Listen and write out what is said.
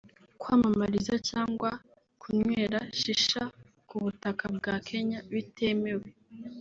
kwamamariza cyangwa kunywera Shisha ku butaka bwa Kenya bitemewe